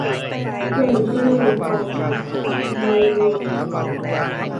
เกิดประโยชน์ต่อประชาชนโดยรวม